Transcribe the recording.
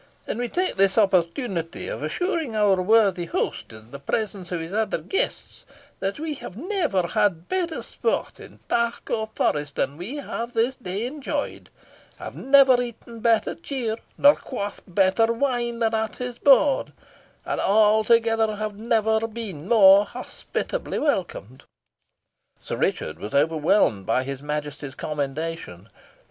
"And we take this opportunity of assuring our worthy host, in the presence of his other guests, that we have never had better sport in park or forest than we have this day enjoyed have never eaten better cheer, nor quaffed better wine than at his board and, altogether, have never been more hospitably welcomed." Sir Richard was overwhelmed by his Majesty's commendation.